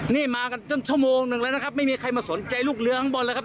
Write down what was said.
นี่มากันตั้งชั่วโมงหนึ่งแล้วนะครับไม่มีใครมาสนใจลูกเรือข้างบนแล้วครับ